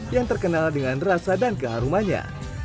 yang terkenal dengan rasa dan keharumannya